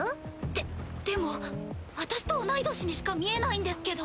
ででも私と同い年にしか見えないんですけど。